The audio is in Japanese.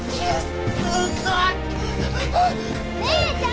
姉ちゃん